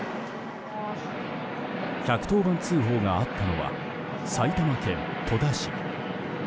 １１０番通報があったのは埼玉県戸田市。